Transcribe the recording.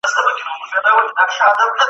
وطن د مور په شان دئ